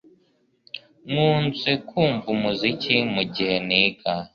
Nkunze kumva umuziki mugihe niga